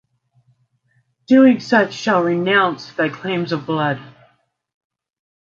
Doing such shall renounce thy claims of Blood.